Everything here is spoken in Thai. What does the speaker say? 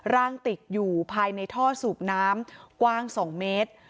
ร่างติดอยู่ภายในท่อสูบน้ำกว้าง๒เมตร